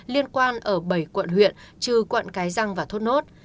liên quan ở bảy quận huyện trừ quận cái răng và thốt nốt